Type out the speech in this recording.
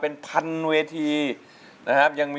โปรดติดตาม